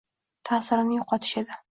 ta’sirini yo‘qotish edi.